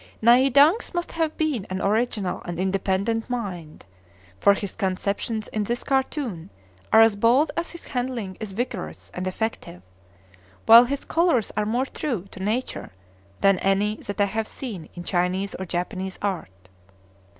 Nai Dang's must have been an original and independent mind, for his conceptions in this cartoon are as bold as his handling is vigorous and effective, while his colors are more true to nature than any that I have seen in Chinese or Japanese art.